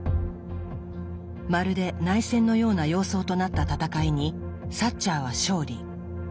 まるで内戦のような様相となった戦いにサッチャーは勝利。